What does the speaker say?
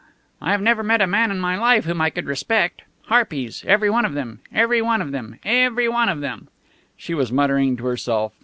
"I have never met a man in my life whom I could respect. Harpies! Every one of them! Every one of them! Every one of them!" She was muttering to herself.